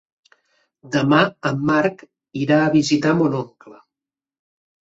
Demà en Marc irà a visitar mon oncle.